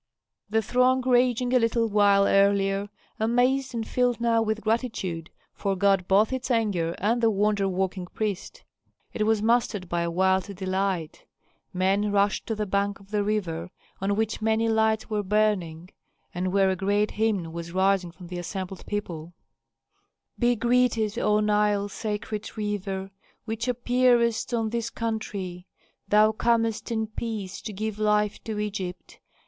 The throng raging a little while earlier, amazed and filled now with gratitude, forgot both its anger and the wonder working priest. It was mastered by a wild delight; men rushed to the bank of the river, on which many lights were burning and where a great hymn was rising from the assembled people, "Be greeted, O Nile, sacred river, which appearest on this country! Thou comest in peace, to give life to Egypt.